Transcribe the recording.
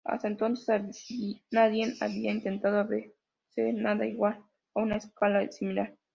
Hasta entonces, nadie había intentado hacer nada igual a una escala similar.